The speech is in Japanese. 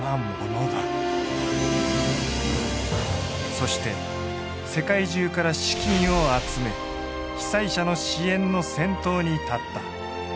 そして世界中から資金を集め被災者の支援の先頭に立った。